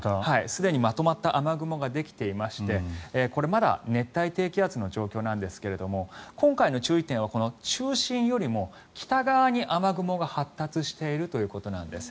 すでにまとまった雨雲ができていましてこれ、まだ熱帯低気圧の状況なんですが今回の注意点はこの中心よりも北側に雨雲が発達しているということです。